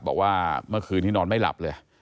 บอกว่าเมื่อคืนนี้นอนไม่หลับเลย